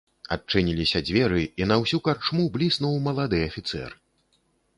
Адчыніліся дзверы, і на ўсю карчму бліснуў малады афіцэр.